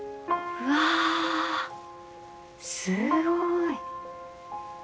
うわすごい。